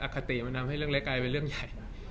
คติมันทำให้เรื่องเล็กกลายเป็นเรื่องใหญ่